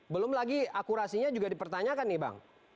belum lagi akurasinya juga dipertanyakan nih bang